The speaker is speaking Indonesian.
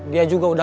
dia juga udah